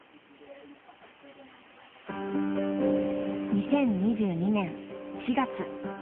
［２０２２年４月］